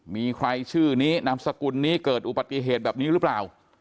มีใครชื่อนี้นามสกุลนี้เกิดอุบัติเหตุแบบนี้หรือเปล่า